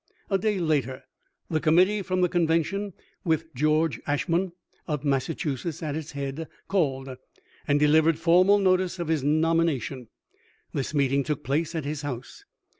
A day later the committee from the conven tion, with George Ashmun, of Massachusetts, at its head, called, and delivered formal notice of his nom ination. This meeting took place at his house.